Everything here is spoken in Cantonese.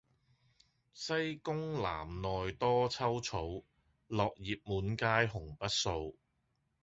西宮南內多秋草，落葉滿階紅不掃。